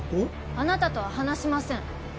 あなたとは話しません